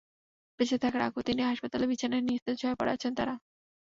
বেঁচে থাকার আকুতি নিয়ে হাসপাতালের বিছানায় নিস্তেজ হয়ে পড়ে আছেন তাঁরা।